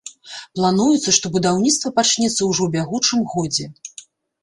Плануецца, што будаўніцтва пачнецца ўжо ў бягучым годзе.